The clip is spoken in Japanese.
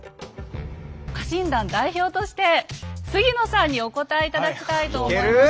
家臣団代表として杉野さんにお答え頂きたいと思います。